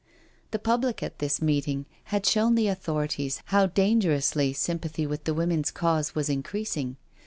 The public at this meeting had shown the authorities how dangerously sympathy with the Women's Cause was increasing.